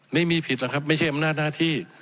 นี่มีผิดหรอกครับไม่ใช่อำนาจหน้าที่